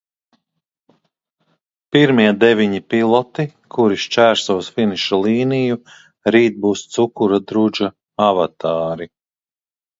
Pirmie deviņi piloti, kuri šķērsos finiša līniju, rīt būs Cukura drudža avatāri!